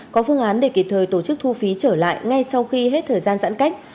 có phương án để kịp thời tổ chức thu phí trở lại ngay sau khi hết thời gian giãn cách